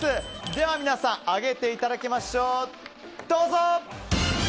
では皆さん上げていただきましょう。